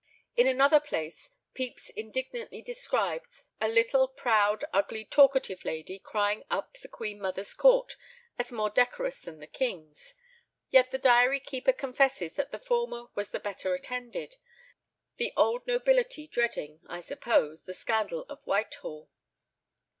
In another place Pepys indignantly describes "a little proud, ugly, talkative lady crying up the queen mother's court as more decorous than the king's;" yet the diary keeper confesses that the former was the better attended, the old nobility dreading, I suppose, the scandal of Whitehall.